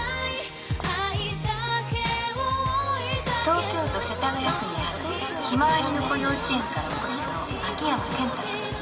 東京都世田谷区にあるひまわりの子幼稚園からお越しの秋山健太君。